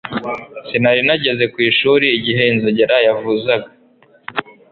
sinari nageze ku ishuri igihe inzogera yavuzaga